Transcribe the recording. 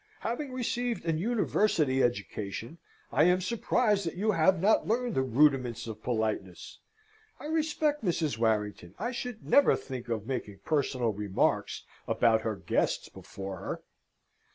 Having received an university education, I am surprised that you have not learned the rudiments of politeness. I respect Mrs. Warrington. I should never think of making personal remarks about her guests before her!"